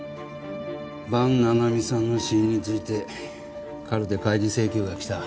伴七海さんの死因についてカルテ開示請求が来た。